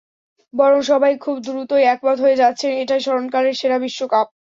বরং সবাই খুব দ্রুতই একমত হয়ে যাচ্ছেন, এটাই স্মরণকালের সেরা বিশ্বকাপ।